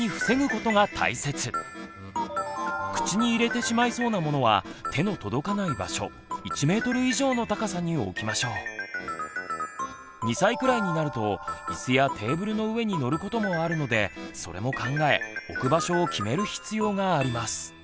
口に入れてしまいそうなものは手の届かない場所２歳くらいになるとイスやテーブルの上に乗ることもあるのでそれも考え置く場所を決める必要があります。